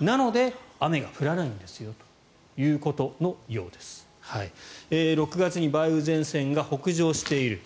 なので、雨が降らないんですよということのようです。６月に梅雨前線が北上している。